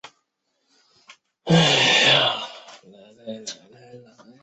野寒布岬附近。